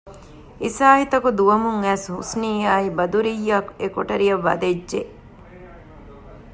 އިސާހިތު ދުވަމުން އައިސް ޙުސްނީއާއި ބަދުރިއްޔާ އެކޮޓަރިއަށް ވަދެއްޖެ